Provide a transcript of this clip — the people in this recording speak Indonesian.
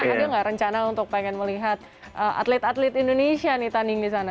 ada nggak rencana untuk pengen melihat atlet atlet indonesia nih tanding di sana